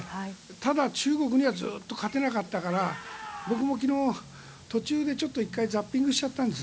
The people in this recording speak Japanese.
ただ、中国にはずっと勝てなかったから僕も昨日、途中でザッピングしちゃったんです。